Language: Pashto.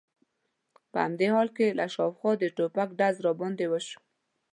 په همدې حال کې له شا څخه د ټوپک ډز را باندې وشو.